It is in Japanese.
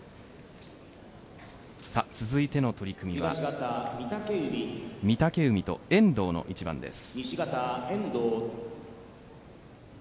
続いての取組は御嶽海と遠藤の一番です。